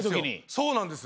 そうなんです。